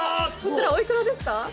こちらお幾らですか？